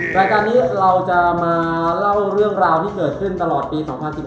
รายการนี้เราจะมาเล่าเรื่องราวที่เกิดขึ้นตลอดปี๒๐๑๙